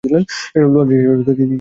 লোহার শিকগুলো কেমন শক্ত, তাই দেখছি।